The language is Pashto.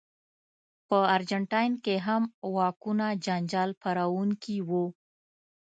په ارجنټاین کې هم واکونه جنجال پاروونکي وو.